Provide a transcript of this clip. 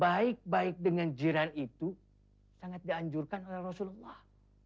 baik baik dengan jiran itu sangat dianjurkan oleh rasulullah